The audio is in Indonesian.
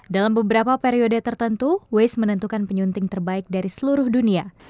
dalam beberapa periode tertentu waze menentukan penyunting terbaik dari seluruh dunia